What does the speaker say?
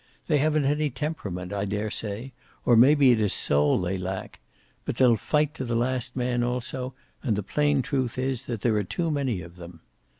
They haven't any temperament, I daresay, or maybe it is soul they lack. But they'll fight to the last man also, and the plain truth is that there are too many of them.